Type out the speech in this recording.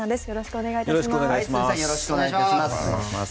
よろしくお願いします。